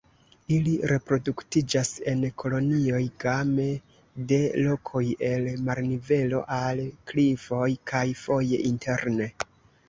Ili reproduktiĝas en kolonioj game de lokoj el marnivelo al klifoj, kaj foje interne.